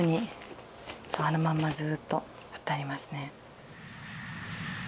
あのまんまずっと取ってありますね。